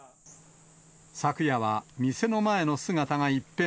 昨夜は店の前の姿が一変。